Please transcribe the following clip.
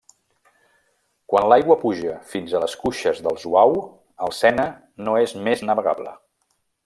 Quan l'aigua puja fins a les cuixes del Zuau, el Sena no és més navegable.